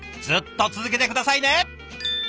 ずっと続けて下さいね。